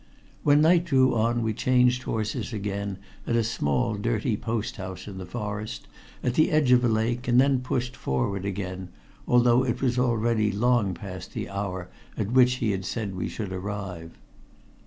When night drew on we changed horses again at a small, dirty post house in the forest, at the edge of a lake, and then pushed forward again, although it was already long past the hour at which he had said we should arrive.